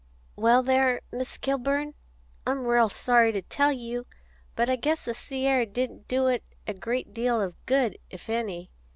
"Well, there, Miss Kilburn, I'm ril sorry to tell you, but I guess the sea air didn't do it a great deal of good, if any.